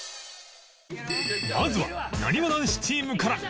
まずはなにわ男子チームから